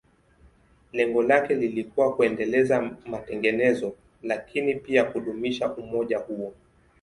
Lengo lake lilikuwa kuendeleza matengenezo, lakini pia kudumisha umoja huo.